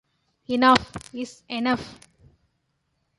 Enough is enough.